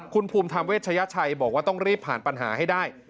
คุณภูมิธรรมเวชยชัยบอกว่าต้องรีบผ่านปัญหาให้ได้